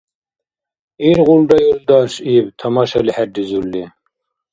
— Иргъулра, юлдаш, — иб, тамашали хӀеризурли.